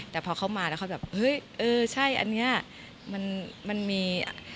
แต่พอเข้ามาแล้วเขาแบบเฮ้ยเออใช่อันนี้มันมี